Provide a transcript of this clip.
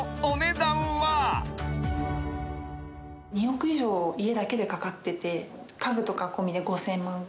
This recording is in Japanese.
２億以上家だけでかかってて家具とか込みで５，０００万。